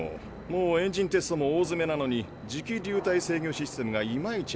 もうエンジンテストも大づめなのに磁気流体制御システムがいまいち安定しない。